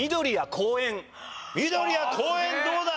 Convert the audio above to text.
緑や公園どうだ？